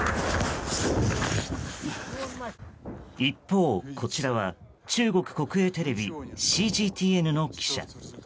一方、こちらは中国国営テレビＣＧＴＮの記者。